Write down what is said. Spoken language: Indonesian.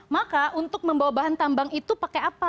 maka untuk membawa bahan tambang itu pakai apa